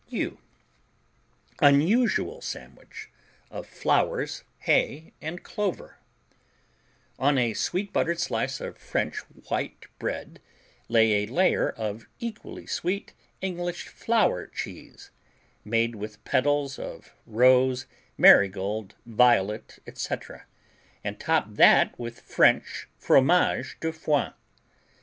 U Unusual Sandwich of Flowers, Hay and Clover On a sweet buttered slice of French white bread lay a layer of equally sweet English Flower cheese (made with petals of rose, marigold, violet, etc.) and top that with French Fromage de foin.